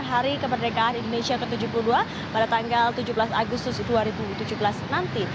hari kemerdekaan indonesia ke tujuh puluh dua pada tanggal tujuh belas agustus dua ribu tujuh belas nanti